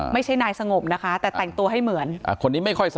ไม่ใช่นายสงบแต่แต่งตัวให้เหมือน